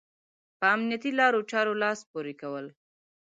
په امنيتي لارو چارو لاس پورې کول.